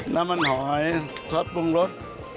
น้ำมันหอยซอสปรุงรส